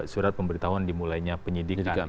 surat pemberitahuan dimulainya penyidikan